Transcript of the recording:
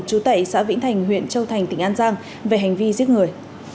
chú tẩy xã vĩnh thành huyện châu thành tỉnh an giang về hành vi giết người